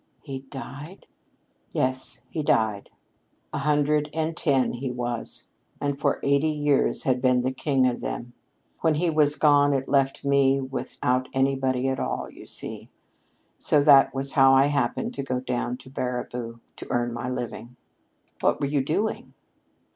"He died?" "Yes, he died. A hundred and ten he was, and for eighty years had been the king of them. When he was gone, it left me without anybody at all, you see. So that was how I happened to go down to Baraboo to earn my living." "What were you doing?"